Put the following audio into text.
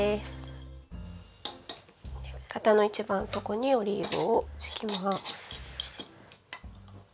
型の一番底にオリーブを敷きます。